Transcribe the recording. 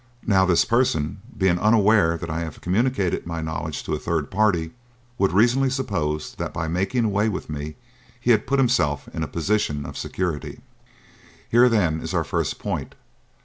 Now this person, being unaware that I have communicated my knowledge to a third party, would reasonably suppose that by making away with me he had put himself in a position of security. "Here, then, is our first point.